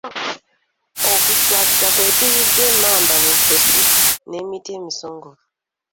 Okuswaga kwe kuyigga emmamba mu ttosi n’emiti emisongovu.